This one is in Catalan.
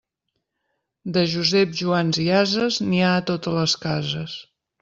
De Joseps, Joans i ases, n'hi ha a totes les cases.